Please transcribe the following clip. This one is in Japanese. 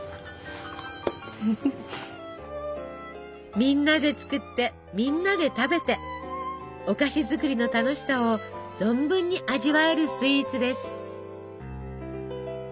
みんなで作ってみんなで食べてお菓子作りの楽しさを存分に味わえるスイーツです。